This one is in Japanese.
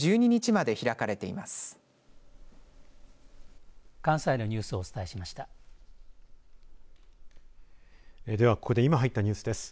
ではここで今入ったニュースです。